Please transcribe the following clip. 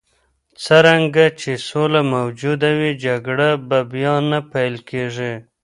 څرنګه چې سوله موجوده وي، جګړې به بیا نه پیل کېږي.